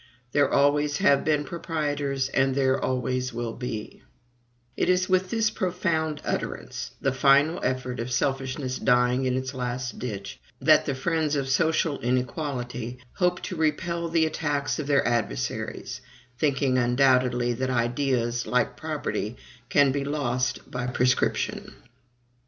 "There always have been proprietors and there always will be:" it is with this profound utterance, the final effort of selfishness dying in its last ditch, that the friends of social inequality hope to repel the attacks of their adversaries; thinking undoubtedly that ideas, like property, can be lost by prescription.